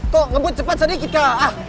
kok ngebut cepet sedikit kak